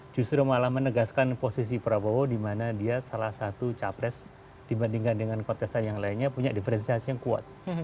justru malah menegaskan posisi prabowo di mana dia salah satu capres dibandingkan dengan kontestan yang lainnya punya diferensiasi yang kuat